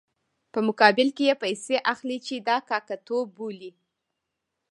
په مقابل کې یې پیسې اخلي چې دا کاکه توب بولي.